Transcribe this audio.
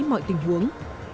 mọi tình huống